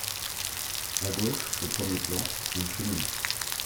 À gauche, au premier plan, une cheminée.